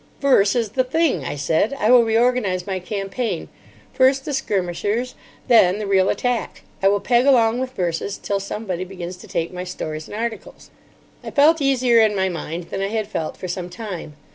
"Verse is the thing," I said. "I will reorganise my campaign. First the skirmishers, then the real attack. I will peg along with verses till somebody begins to take my stories and articles." I felt easier in my mind than I had felt for some time.